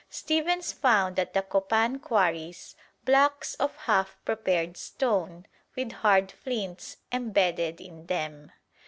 Stephens found at the Copan quarries blocks of half prepared stone with hard flints embedded in them.